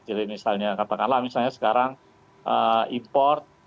jadi misalnya katakanlah misalnya sekarang import